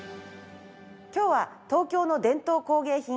今日は東京の伝統工芸品